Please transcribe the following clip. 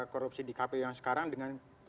korupsi di kpu yang sekarang dengan